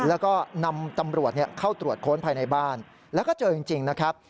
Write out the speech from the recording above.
แล้วก็นำตำรวจเข้าตรวจค้นภายในบ้านแล้วก็เจอจริงนะครับ